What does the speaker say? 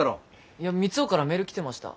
いや三生からメール来てました。